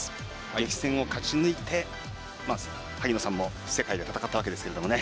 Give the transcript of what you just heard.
激戦を勝ち抜いて萩野さんも世界で戦ったわけですけどね。